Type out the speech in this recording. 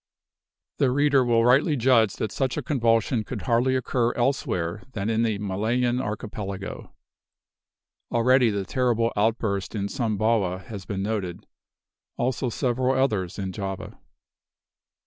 The reader will rightly judge that such a convulsion could hardly occur elsewhere than in the Malayan archipelago. Already the terrible outburst in Sumbawa has been noted; also several others in Java.